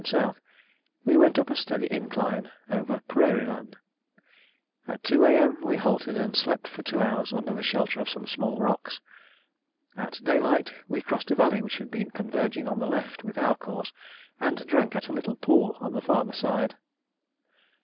and S., we went up a steady incline over prairie land. At 2 A.M. we halted and slept for two hours under the shelter of some small rocks. At daylight we crossed a valley which had been converging on the left with our course, and drank at a little pool on the farther side.